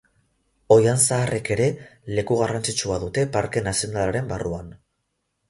Oihan zaharrek ere leku garrantzitsua dute parke nazionalaren barruan.